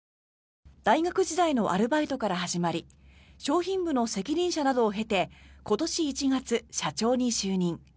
大学時代のアルバイトから始まり商品部の責任者などを経て今年１月、社長に就任。